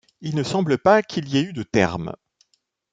Il ne semble pas qu'il y ait eu de thermes.